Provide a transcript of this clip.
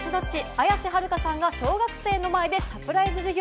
綾瀬はるかさんが小学生の前でサプライズ授業。